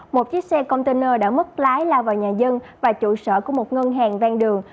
một chiếc xe container đã mất lái lao vào nhà dân và trụ sở của một ngân hàng ven đường